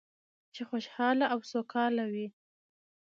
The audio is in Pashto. چې خوشحاله او سوکاله وي.